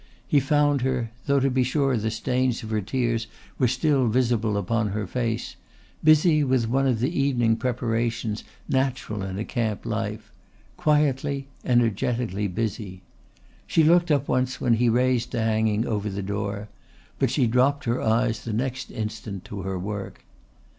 He found her, though to be sure the stains of her tears were still visible upon her face, busy with one of the evening preparations natural in a camp life quietly, energetically busy. She looked up once when he raised the hanging over the door, but she dropped her eyes the next instant to her work.